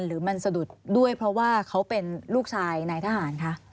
หรือมันสะดุดด้วยเพราะว่าเขาเป็นลูกชายนายทหารคะ